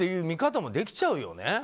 見方もできちゃうよね。